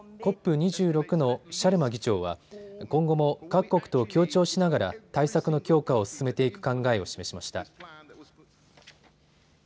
２６のシャルマ議長は今後も各国と協調しながら対策の強化を進めていく考えを示しました。